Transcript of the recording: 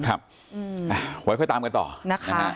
ไว้ค่อยตามกันต่อนะคะ